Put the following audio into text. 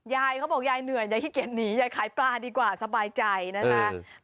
ยายเขาบอกยายเหนื่อยยายขี้เกียจหนียายขายปลาดีกว่าสบายใจนะคะ